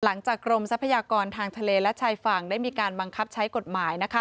กรมทรัพยากรทางทะเลและชายฝั่งได้มีการบังคับใช้กฎหมาย